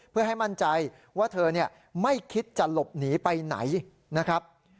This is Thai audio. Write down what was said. เพื่อให้มั่นใจว่าเธอไม่คิดจะหลบหนีไปไหนนะครับ